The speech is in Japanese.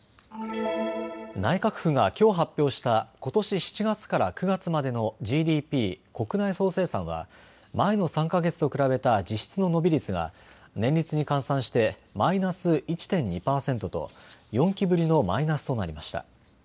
内閣府がきょう発表したことし７月から９月までのＧＤＰ・国内総生産は前の３か月と比べた実質の伸び率が年率に換算してマイナス１．２％と４期ぶりのマイナスとなりました。